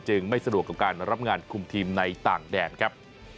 ไม่สะดวกกับการรับงานคุมทีมในต่างแดนครับ